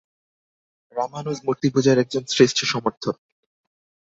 রামানুজ মূর্তিপূজার একজন শ্রেষ্ঠ সমর্থক।